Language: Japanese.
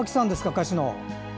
歌手の。